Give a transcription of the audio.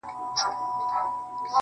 یېګانه چي له آزادي زندګۍ سي -